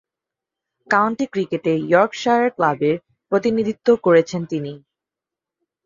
County ক্রিকেটে Yorkshire ক্লাবের প্রতিনিধিত্ব করেছেন তিনি।